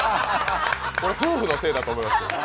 夫婦のせいだと思いますけど。